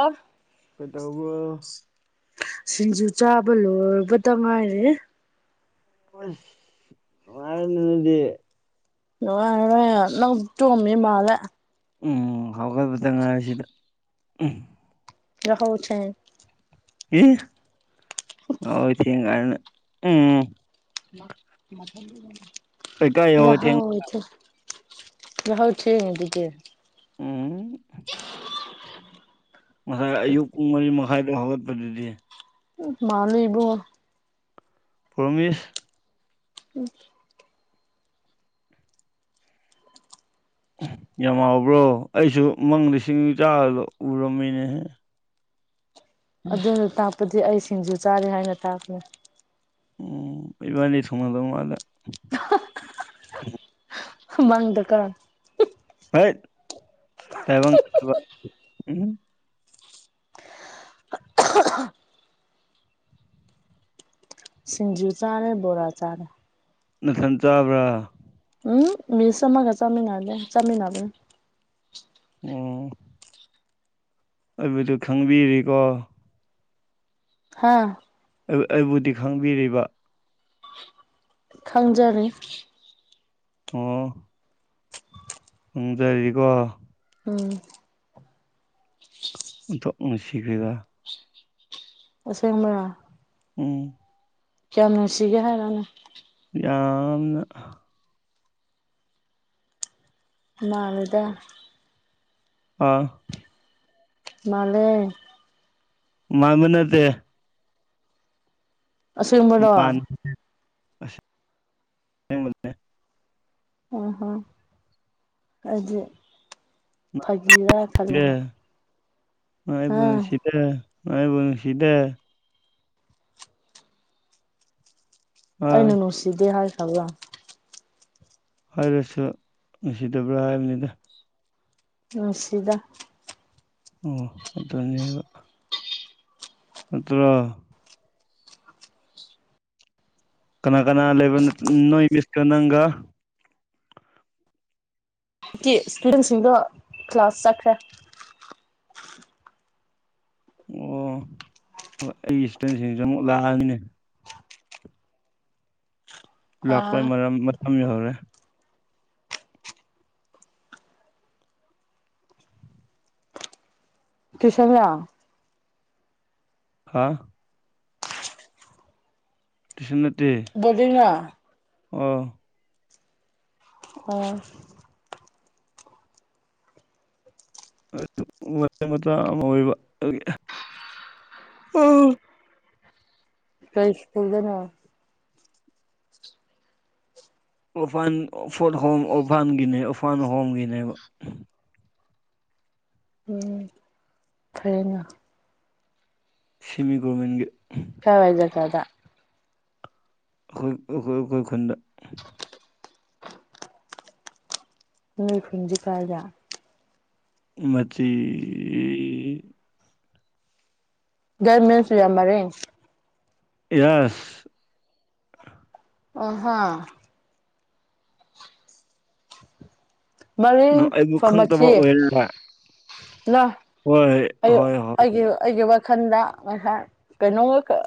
ꯑꯣ ꯀꯩꯗꯧꯕ꯭ꯔꯣ ꯁꯤꯡꯖꯨ ꯆꯥꯕ ꯂꯣꯏꯕꯇ ꯉꯥꯏꯔꯤ ꯅꯨꯡꯉꯥꯏꯔꯦꯅꯦ ꯅꯣꯏꯗꯤ ꯅꯨꯡꯉꯥꯏꯔꯦ ꯅꯪ ꯇꯨꯝꯃꯤ ꯃꯥꯜꯂꯦ ꯎꯝ ꯍꯧꯒꯠꯕꯗ ꯉꯥꯏꯁꯤꯗ ꯌꯥꯍꯧꯊꯦꯡ ꯌꯥꯍꯧꯊꯦꯡ ꯀꯥꯏꯅ ꯎꯝ ꯀꯩꯀꯥꯏ ꯌꯧꯔꯦ ꯊꯦꯡ ꯌꯥꯍꯧꯊꯦꯡ ꯌꯥꯍꯧ ꯊꯦꯡꯉꯤꯗꯨꯗꯤ ꯎꯝ ꯉꯁꯥꯏ ꯑꯌꯨꯛ ꯄꯨꯡ ꯃꯔꯤ ꯃꯈꯥꯏꯗꯣ ꯍꯧꯒꯠꯄꯗꯨꯗꯤ ꯃꯥꯜꯂꯦ ꯏꯕꯨꯡꯉꯣ ꯄ꯭ꯔꯣꯃꯤꯁ [unintelligible] ꯌꯥꯝ ꯍꯥꯎꯕ꯭ꯔꯣ ꯑꯩꯁꯨ ꯃꯪꯗ ꯁꯤꯡꯖꯨ ꯆꯥꯔꯒ ꯎꯔꯝꯃꯤꯅꯦꯍꯦ ꯏꯁ ꯑꯗꯨꯅ ꯇꯥꯛꯄꯗꯤ ꯑꯩ ꯁꯤꯡꯖꯨ ꯆꯥꯔꯤ ꯍꯥꯏꯅ ꯇꯥꯛꯄꯅꯤ ꯎꯝ ꯏꯕꯥꯅꯤ ꯊꯨꯡꯅꯗꯧ ꯃꯥꯜꯂꯦ [unintelligible] ꯃꯪꯗꯀꯣ ꯇꯥꯏꯕꯪ ꯍꯥꯏꯕ ꯎꯝ ꯁꯤꯡꯖꯨ ꯆꯥꯔꯦ ꯕꯣꯔꯥ ꯆꯥꯔꯦ ꯅꯊꯟ ꯆꯥꯕ꯭ꯔꯥ ꯃꯤꯁ ꯑꯃꯒ ꯆꯥꯃꯤꯟꯅꯗꯦ ꯆꯥꯠꯃꯤꯟꯅꯕꯅꯦ ꯑꯣ ꯑꯩꯕꯨꯗꯨ ꯈꯪꯕꯤꯔꯤꯀꯣ ꯍꯥꯥ ꯑꯩꯕꯨ ꯑꯩꯕꯨꯗꯤ ꯈꯪꯕꯤꯔꯤꯕ ꯈꯪꯖꯔꯤ ꯑꯣ ꯈꯪꯖꯔꯤꯀꯣ ꯎꯝ ꯑꯣꯟꯊꯣꯛ ꯅꯨꯡꯁꯤꯈꯔꯦꯗ ꯑꯁꯦꯡꯕꯔꯥ ꯎꯝ ꯀꯌꯥꯝ ꯅꯨꯛꯁꯤꯒꯦ ꯍꯥꯏꯔꯣꯅꯦ ꯌꯥꯝꯅ ꯃꯥꯂꯦꯗ ꯑꯥ ꯃꯥꯂꯦ ꯃꯥꯟꯕ ꯅꯠꯇꯦ ꯑꯁꯦꯡꯕꯔꯣ ꯅꯨꯡꯁꯤꯗꯦ [inaudible] ꯍꯣꯏ ꯍꯣꯏ ꯑꯗꯤ ꯐꯒꯤꯔꯥ ꯈꯜꯂꯒ ꯅꯣꯏ ꯑꯩꯕꯨ ꯑꯥ ꯅꯨꯡꯁꯤꯗꯦ ꯅꯣꯏ ꯑꯩꯕꯨ ꯅꯨꯡꯁꯤꯗꯦ ꯑꯩꯅ ꯑꯥ ꯅꯨꯡꯁꯤꯗꯦ ꯍꯥꯏꯈ꯭ꯔꯕ ꯍꯥꯏꯔꯁꯨ ꯅꯨꯡꯁꯤꯗꯕ꯭ꯔꯥ ꯍꯥꯏꯕꯅꯤꯗ ꯅꯨꯡꯁꯤꯗ ꯑꯣ ꯑꯗꯨꯅꯦꯕ ꯅꯇ꯭ꯔꯣ ꯀꯅꯥ ꯀꯅꯥ ꯂꯩꯕꯅꯣ ꯅꯣꯏ ꯃꯤꯁꯀ ꯅꯪꯒ ꯀꯤꯗ꯭ꯁ [unintelligible] ꯁꯤꯡꯗꯣ ꯀ꯭ꯂꯥꯁ ꯆꯠꯈ꯭ꯔꯦ ꯑꯣ ꯑꯩꯒꯤ ꯏꯁꯇꯨꯗꯦꯟꯁꯤꯡꯁꯨ ꯑꯃꯨꯛ ꯂꯥꯛꯑꯅꯤꯅꯦ ꯂꯥꯛꯄꯩ ꯑꯥ ꯃꯔꯝ ꯃꯇꯝ ꯌꯧꯔꯦ ꯇ꯭ꯌꯨꯁꯟ ꯂꯣ ꯍꯥ ꯇꯨꯏꯁꯟ ꯅꯠꯇꯦ ꯕꯣꯔꯗꯤꯡꯂ ꯑꯣ ꯍꯣꯏ [inaudible] ꯀꯩ ꯁ꯭ꯀꯨꯜꯗꯅꯣ ꯑꯣꯔꯐꯥꯟ ꯐꯣꯔꯠ ꯍꯣꯝ ꯑꯣꯔꯐꯥꯟꯒꯤꯅꯦ ꯑꯣꯔꯐꯥꯟ ꯍꯣꯝꯒꯤꯅꯦꯕ ꯎꯝ ꯐꯔꯦꯅ ꯁꯤꯃꯤ ꯒꯣꯔꯃꯦꯟꯒꯤ ꯀꯥꯏꯋꯥꯏ ꯖꯒꯥꯗ ꯑꯈꯣꯏ ꯑꯈꯣꯏ ꯑꯈꯣꯏ ꯈꯨꯟꯗ ꯅꯣꯏ ꯈꯨꯟꯗꯤ ꯀꯥꯏꯗꯥ ꯃꯆꯤ ꯗꯦꯠ ꯃꯤꯟꯁ [unintelligible] ꯌꯥꯁ ꯑꯍꯥ ꯃꯔꯤꯡ ꯅꯪ ꯑꯩꯕꯨ ꯐ꯭ꯔꯣꯝ ꯈꯪꯗꯕ ꯃꯆꯤ ꯑꯣꯏꯔ ꯂꯥ ꯍꯣꯏ ꯑꯩ ꯍꯣꯏ ꯍꯣꯏ ꯑꯩꯒꯤ ꯑꯩꯒꯤ ꯋꯥꯈꯟꯗ ꯉꯁꯥꯏ ꯀꯩꯅꯣꯝꯃ ꯈꯛ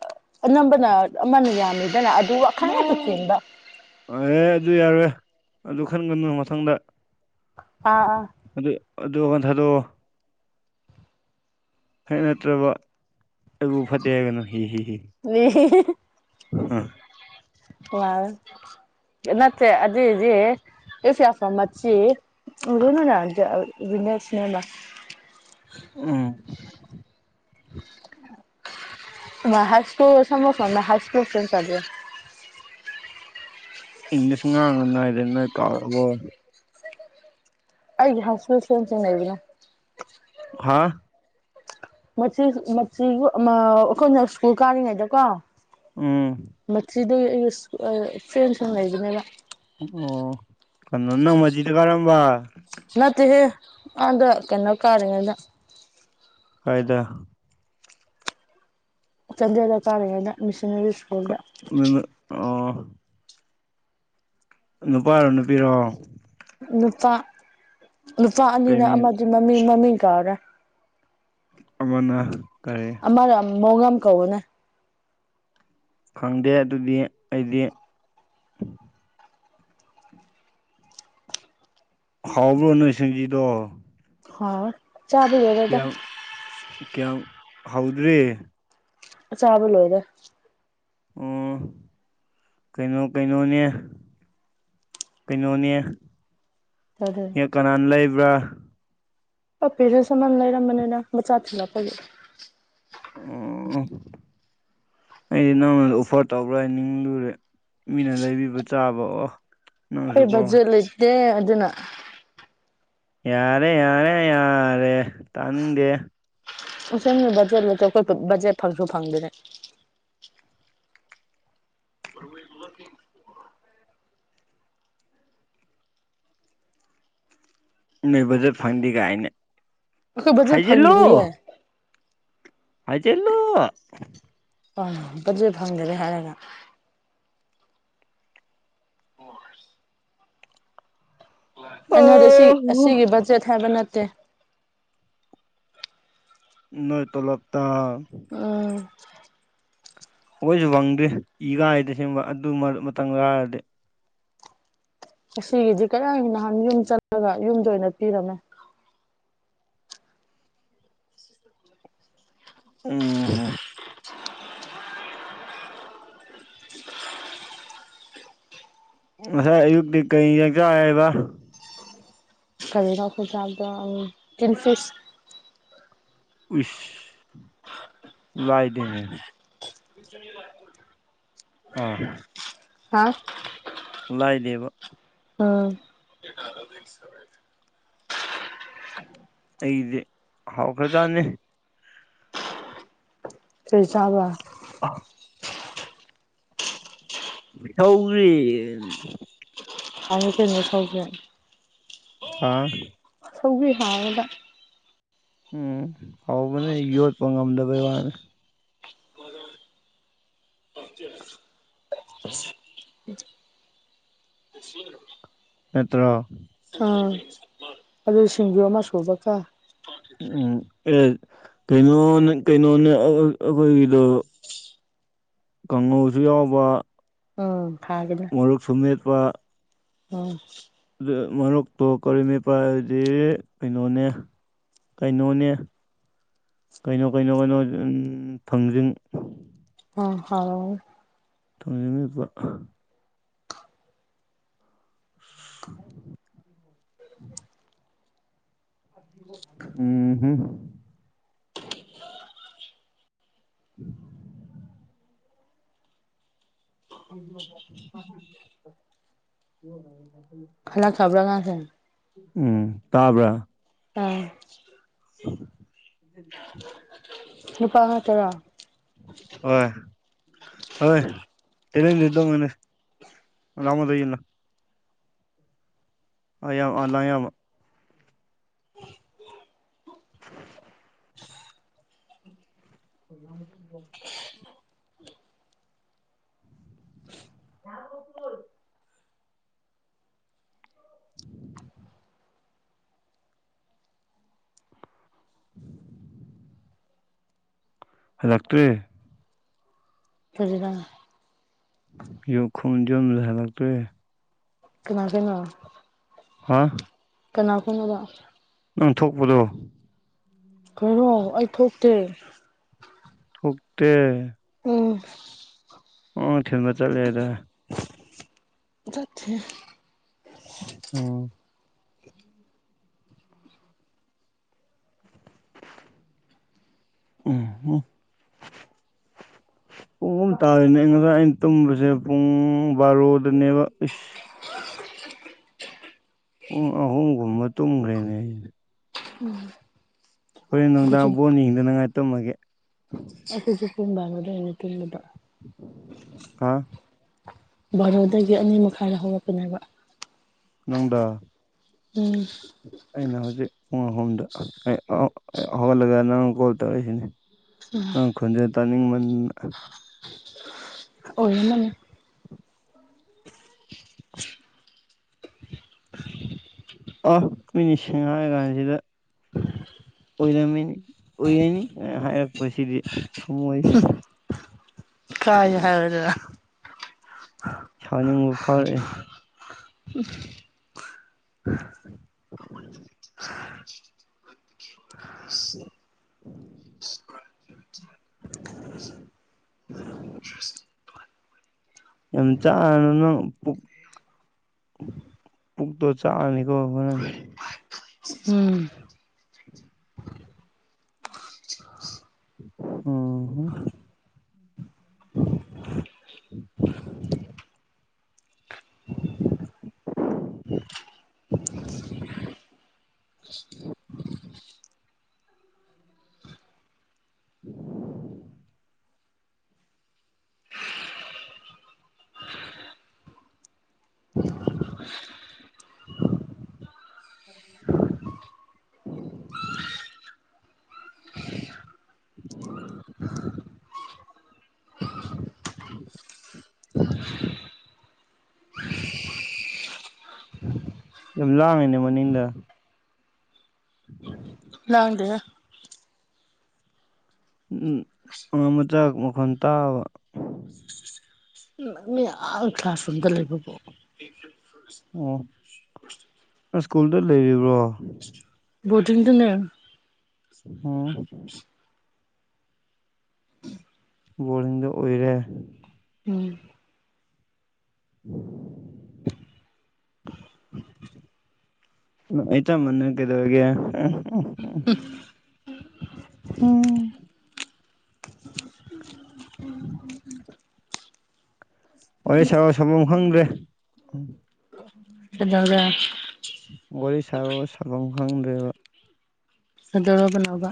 ꯑꯅꯝꯕꯅ ꯑꯃꯅ ꯌꯥꯝꯃꯤꯗꯅ ꯑꯗꯨ ꯈꯔꯈꯛ ꯆꯤꯡꯕ ꯑꯦ ꯑꯗꯨ ꯌꯥꯔꯣꯏ ꯑꯗꯨ ꯈꯟꯒꯅꯨ ꯃꯊꯪꯗ ꯑꯥ ꯑꯥ ꯑꯗꯨ ꯑꯗꯨ ꯋꯥꯈꯟ ꯊꯥꯗꯣꯑꯣ ꯍꯦꯛ ꯅꯠꯇ꯭ꯔꯕ ꯑꯩꯕꯨ ꯐꯠꯇꯦ ꯍꯥꯏꯒꯅꯨ ꯍꯤ ꯍꯤ ꯍꯤ [unintelligible] ꯍꯝ ꯋꯥ ꯅꯠꯇꯦ ꯑꯗꯨꯏꯗꯤ ꯏꯐꯌꯥꯐ꯭ꯔꯣꯝ ꯃꯠꯆꯤ [unintelligible] ꯎꯝ [unintelligible] ꯏꯪꯂꯤꯁ ꯉꯥꯡꯉꯅꯨ ꯍꯥꯏꯗꯤ ꯅꯣꯏ ꯀꯥꯎꯔꯕꯣ ꯑꯩꯒꯤ ꯍꯥꯏꯁ꯭ꯀꯨꯜ ꯐꯔꯦꯟꯁ ꯁꯤꯡ ꯂꯩꯕꯅꯦ ꯍꯥꯥ ꯃꯆꯤꯁꯨ ꯃꯆꯤꯎ ꯑꯃ ꯑꯩꯈꯣꯏꯅ ꯁ꯭ꯀꯨꯜ ꯀꯥꯔꯤꯉꯩꯗꯀꯣ ꯎꯝ ꯃꯆꯤꯗꯣ ꯑꯩꯒꯤ ꯏꯁ ꯑ ꯐ꯭ꯔꯦꯟꯁꯤꯡ ꯂꯩꯕꯅꯤꯗ ꯑꯣ ꯀꯩꯅꯣ ꯅꯪ ꯃꯆꯤꯗ ꯀꯥꯔꯝꯕ ꯅꯠꯇꯦꯍꯦ ꯑꯥꯗ ꯀꯩꯅꯣ ꯀꯥꯔꯤꯉꯩꯗ ꯀꯥꯏꯗ ꯆꯥꯟꯗꯦꯜꯗ ꯀꯥꯔꯤꯉꯩꯗ ꯃꯤꯁꯟꯅꯔꯤ ꯁ꯭ꯀꯨꯜꯗ [unintelligible] ꯅꯨꯄꯥꯔꯣ ꯅꯨꯄꯤꯔꯣ ꯅꯨꯄꯥ ꯅꯨꯄꯥ ꯀꯩ ꯑꯅꯤꯅꯦ ꯃꯤꯡ ꯑꯃꯗꯤ ꯃꯃꯤ ꯃꯃꯤꯡ ꯀꯥꯎꯔꯦ ꯑꯃꯅ ꯀꯩ ꯑꯃꯅ ꯃꯣꯡꯉꯝ ꯀꯧꯕꯅꯦ ꯈꯪꯗꯦ ꯑꯗꯨꯗꯤ ꯑꯩꯗꯤ ꯍꯥꯎꯕ꯭ꯔꯣ ꯅꯣꯏ ꯁꯤꯡꯒꯤꯗꯣ ꯍꯥꯎꯋꯦ ꯆꯥꯕ ꯂꯣꯏꯔꯦꯗ ꯀꯌꯥꯝ ꯍꯧꯗ꯭ꯔꯤ ꯑꯆꯥꯕ ꯂꯣꯏꯔꯦ ꯑꯣ ꯀꯩꯅꯣ ꯀꯩꯅꯣꯅꯦ ꯀꯩꯅꯣꯅꯦ [unintelligible] ꯍꯦꯛ ꯀꯅꯥꯅ ꯂꯩꯕ꯭ꯔꯥ ꯄꯄꯤꯗꯨ ꯁꯃꯝ ꯂꯩꯔꯝꯕꯅꯤꯅ ꯃꯆꯥ ꯊꯤꯂꯛꯄꯒꯤ ꯑꯣ ꯑꯩꯗꯤ ꯅꯪꯅ ꯑꯣꯐꯔ ꯇꯧꯕ꯭ꯔꯥ ꯅꯤꯡꯂꯨꯔꯦ ꯃꯤꯅ ꯂꯩꯕꯤꯕ ꯆꯥꯕ ꯑꯣ ꯑꯩ ꯅꯪꯁꯨꯀꯣ ꯕꯖꯦꯠ ꯂꯩꯇꯦ ꯑꯗꯨꯅ ꯌꯥꯔꯦ ꯌꯥꯔꯦ ꯌꯥꯔꯦ ꯇꯥꯅꯤꯡꯗꯦ ꯐꯪꯁꯟꯒꯤ ꯕꯖꯦꯠ [unintelligible] ꯑꯩꯈꯣꯏ ꯕꯖꯦꯠ ꯐꯪꯁꯨ ꯐꯪꯗꯅꯥ [inaudible] [unintelligible] ꯅꯣꯏ ꯕꯖꯦꯠ ꯐꯪꯗꯦꯒꯥꯏꯅ ꯑꯩꯈꯣꯏ ꯕꯖꯦꯠ ꯐꯪꯗꯔꯤꯌꯦ ꯍꯥꯏꯖꯤꯜꯂꯣ ꯑꯥ ꯕꯖꯦꯠ ꯐꯪꯗꯔꯦ ꯍꯥꯏꯔꯒ ꯫ [inaudible] ꯑ [unintelligible] ꯁꯤ ꯑꯁꯤꯒꯤ ꯕꯖꯦꯠ ꯍꯥꯏꯕ ꯅꯠꯇꯦ ꯅꯣꯏ ꯇꯣꯂꯣꯞ ꯇꯥ ꯎꯝ ꯑꯩꯈꯣꯏꯁꯨ ꯐꯪꯗꯦ ꯏ ꯀꯥꯏꯗ ꯑꯁꯦꯡꯕ ꯑꯗꯨ ꯃꯇꯝꯒ ꯍꯥꯏꯔꯗꯤ ꯉꯁꯤꯗꯤ ꯀꯔꯥꯏ ꯅꯍꯥꯟ ꯌꯨꯝ ꯆꯠꯂꯒ ꯌꯨꯝꯗ ꯑꯣꯏꯅ ꯄꯤꯔꯝꯃꯦ ꯎꯝ ꯎꯝ ꯉꯁꯥꯏ ꯑꯌꯨꯛꯇꯤ ꯀꯩ ꯍꯤꯟꯖꯥꯡ ꯆꯥꯌ‌ꯦꯕ ꯀꯔꯤꯅꯣ ꯑꯩꯈꯣꯏ ꯆꯥꯕꯗꯣ ꯎꯝ ꯇꯤꯟꯐꯤꯁ ꯎꯏꯁ ꯂꯥꯏꯗꯦꯅꯦ [inaudible] ꯑꯥ ꯍꯥ ꯂꯥꯏꯗꯦꯕ ꯑꯥ [unintelligible] ꯑꯩꯗꯤ ꯍꯥꯎꯈ꯭ꯔꯖꯥꯠꯅꯤ ꯀꯩ ꯆꯥꯕꯔ ꯑ ꯁꯧꯒ꯭ꯔꯤ [unintelligible] ꯍꯥ ꯁꯧꯒ꯭ꯔꯤ ꯍꯥꯎꯋꯦꯕ ꯎꯝ ꯍꯥꯎꯕꯅꯦ ꯌꯣꯠꯄ ꯉꯝꯗꯕꯩ ꯋꯥꯅꯦ [unintelligible] [inaudible] ꯅꯠꯇ꯭ꯔꯣ ꯑꯥ ꯑꯗꯨ ꯁꯤꯡꯖꯨ ꯑꯃ ꯁꯨꯕ ꯀꯣ ꯎꯝ ꯑꯦ ꯀꯩꯅꯣ ꯀꯩꯅꯣꯅꯦ ꯑ ꯑꯣ ꯑꯩꯈꯣꯏꯒꯤꯗꯣ ꯀꯥꯡꯉꯧꯁꯨ ꯌꯥꯎꯕ ꯎꯝ [unintelligible] ꯃꯣꯔꯣꯛ ꯁꯨ ꯃꯦꯠꯄ ꯎꯝ ꯑꯗꯨ ꯃꯔꯣꯛꯇꯣ ꯀꯔꯤ ꯃꯦꯄ ꯍꯥꯏꯔꯗꯤ ꯀꯩꯅꯣꯅꯦ ꯀꯩꯅꯣꯅꯦ ꯀꯩꯅꯣ ꯀꯩꯅꯣ ꯀꯩꯅꯣ ꯊꯥꯡꯖꯤꯡ ꯑ ꯍꯥꯂ‌ꯣ ꯇꯧꯅꯤꯡꯏꯕ [inaudible] ꯎꯝ ꯍꯨꯝ [unintelligible] [inaudible] [unintelligible] ꯈꯜꯂꯛ ꯈ꯭ꯔꯕ꯭ꯔꯥ ꯑꯉꯥꯡꯁꯤꯡ ꯎꯝ ꯇꯥꯕ꯭ꯔꯥ ꯇꯥꯏ [unintelligible] [inaudible] ꯅꯨꯄꯥ ꯈꯛꯇꯔꯣ ꯍ‌ꯣꯏ ꯍ‌ꯣꯏ [unintelligible] [unintelligible] [inaudible] [unintelligible] [inaudible] [inaudible] ꯍꯜꯂꯛꯇ꯭ꯔꯤ [unintelligible] ꯌꯨ ꯈꯨꯝ ꯌꯨꯝꯗ ꯍꯜꯂꯛꯇ꯭ꯔꯤ ꯀꯅꯥꯗꯩꯅꯣ ꯍꯥ ꯀꯅꯥꯒꯨꯝꯅꯣꯕ ꯅꯪ ꯊꯣꯛꯄꯗꯣ ꯀꯔꯤꯅꫭ ꯑꯩ ꯊꯣꯛꯇꯦ ꯊꯣꯛꯇꯦ ꯎꯝ ꯑꫭ ꯊꯤꯟꯕ ꯆꯠꯂꯦꯗꯥꯏ ꯆꯠꯇꯦꯍꯦ ꯑꫭ [unintelligible] ꯄꯨꯡ ꯑꯍꯨꯝ ꯇꯥꯔꯦꯅꯦ ꯑꯩ ꯉꯔꯥꯡ ꯑꯩꯅ ꯇꯨꯝꯕꯁꯦ ꯄꯨꯡ ꯕꯥꯔꯣꯗꯅꯦꯕ ꯏꯁ ꯄꯨꯡ ꯑꯍꯨꯝꯒꯨꯝꯕ ꯇꯨꯝꯈ꯭ꯔꯦꯁꯅꯦ ꯑꯩꯁꯦ ꯎꯝ ꯍꯣꯔꯦꯟ ꯅꯨꯡꯗꯥꯡ ꯕꯣꯜ ꯌꯦꯡꯗꯅꯉꯥꯏ ꯇꯨꯝꯃꯒꯦ ꯑꯗꯨꯁꯨ ꯄꯨꯡ ꯕꯥꯔꯣ ꯑꯗꯥꯏꯗ ꯇꯨꯝꯃꯦꯕ ꯍꯥ ꯕꯥꯔꯣꯗꯒꯤ ꯑꯅꯤ ꯃꯈꯥꯏꯗ ꯍꯧꯒꯠꯄꯅꯦꯕ ꯅꯪꯗꯣ ꯎꯝ ꯑꯩꯅ ꯍꯧꯖꯤꯛ ꯄꯨꯡ ꯑꯍꯨꯝꯗ [unintelligible] ꯍꯧꯒꯠꯂꯒ ꯅꯪ ꯀꯣꯜ ꯇꯧꯔꯛꯏꯁꯤꯅꯤ ꯅꯪ ꯈꯣꯟꯖꯦꯜ ꯇꯥꯅꯤꯡꯃꯟꯅ ꯑꯣꯏꯔꯝꯃꯅꯤ [inaudible] ꯑꯍ ꯃꯤꯅ ꯁꯦꯡꯅ ꯍꯥꯏꯀꯥꯟꯁꯤꯗ ꯑꯨꯏꯔꯝꯃꯤꯅꯤ ꯑꯨꯏꯔꯅꯤ ꯍꯥꯏꯔꯛꯄꯁꯤꯗꯤ ꯊꯃꯣꯏꯁꯦ ꯀꯥꯏ ꯍꯥꯏꯌꯨꯗꯅ ꯁꯥꯎꯅꯤꯡꯕ ꯐꯥꯎꯔꯛꯑꯦ [inaudible] [inaudible] [inaudible] [inaudible] ꯌꯥꯝ ꯌꯥꯔꯨꯅꯨ ꯄꯨꯛ ꯄꯨꯛꯇꯣ ꯆꯥꯛꯑꯅꯤꯀꯣ ꯍꯣꯔꯦꯟ ꯎꯝ ꯑꯍꯥ [inaudible] [inaudible] [inaudible] [inaudible] [inaudible] [inaudible] [inaudible] ꯌꯥꯝ ꯂꯥꯡꯉꯦꯅꯦ ꯃꯅꯤꯡꯗ [inaudible] ꯂꯥꯡꯗꯦꯍꯦ ꯎꯝꯎꯝ ꯑꯉꯥꯡ ꯃꯆꯥ ꯃꯈꯣꯟ ꯇꯥꯕ ꯃꯤꯅ ꯑꯥ ꯀ꯭ꯂꯥꯁ ꯔꯨꯝꯗ ꯂꯩꯕꯕꯨ ꯎꯝ ꯁ꯭ꯀꯨꯜꯗ ꯂꯩꯔꯤꯕ꯭ꯔꯣ ꯕꯣꯔꯗꯤꯡꯗ ꯂꯩꯔꯪ ꯑꯨꯡ ꯕꯣꯔꯗꯤꯡꯗ ꯎꯏꯔꯦ ꯎꯝ [inaudible] [inaudible] ꯑ ꯑꯩꯇꯃꯥ ꯅꯪ ꯀꯩꯗꯧꯔꯤꯒꯦ [unintelligible] ꯎꯝ [unintelligible] ꯋꯥꯔꯤ ꯁꯥꯔꯣ ꯁꯥꯐꯝ ꯈꯪꯗ꯭ꯔꯦ ꯀꯩꯗꯧꯔꯦ ꯋꯥꯔꯤ ꯁꯥꯔꯛꯑꯣ ꯁꯥꯕꯝ ꯈꯪꯗ꯭ꯔꯦꯕ ꯀꯥꯗꯧꯔꯕꯅꯣꯕ